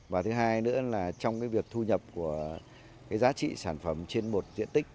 và thứ hai nữa là trong việc thu nhập của giá trị sản phẩm trên một diện tích